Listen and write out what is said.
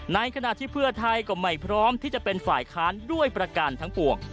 ในขณะที่เพื่อไทยก็ไม่พร้อมที่จะเป็นฝ่ายค้านด้วยประการทั้งปวง